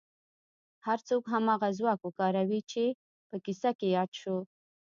هر څوک هماغه ځواک وکاروي چې په کيسه کې ياد شو.